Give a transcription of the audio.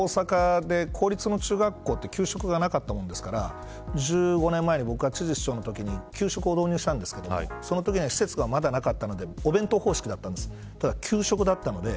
大阪で公立の中学校って給食がなかったもんですから１５年前に僕が知事市長のときに給食を導入したんですがそのときに施設がまだなかったんでお弁当方式だったんです。